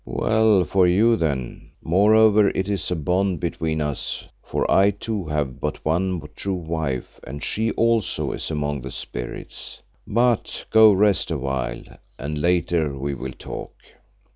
"Well for you then; moreover, it is a bond between us, for I too have but one true wife and she also is among the spirits. But go rest a while, and later we will talk."